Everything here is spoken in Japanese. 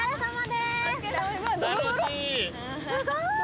すごい。